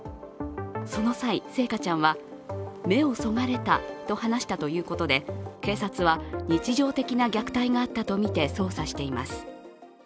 その際、星華ちゃんは、目をそがれたと話したということで、警察は日常的な虐待があったとみて捜査しています。